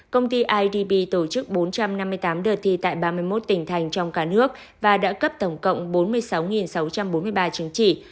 công ty idb tổ chức bốn trăm năm mươi tám đợt thi tại ba mươi một tỉnh thành trong cả nước và đã cấp tổng cộng bốn mươi sáu sáu trăm bốn mươi ba chứng chỉ